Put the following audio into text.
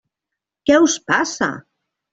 Què us passa?